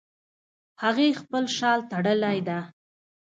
هغې خپل شال تړلی ده